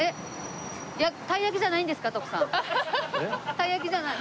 たいやきじゃない？